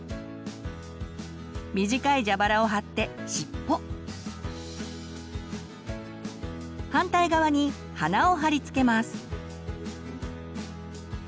短いジャバラを貼って尻尾反対側に鼻を貼り付けます。